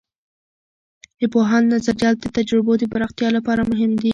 د پوهاند نظریات د تجربو د پراختیا لپاره مهم دي.